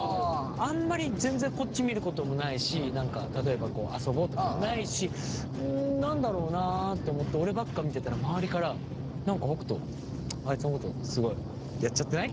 あんまり全然こっち見ることもないし何か例えば遊ぼうとかもないしん何だろうなと思って俺ばっか見てたら周りから「何か北斗あいつのことすごいやっちゃってない？」